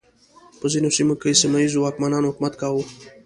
په ځینو سیمو کې سیمه ییزو واکمنانو حکومت کاوه.